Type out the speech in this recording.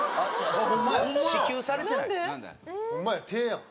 ホンマや手やん。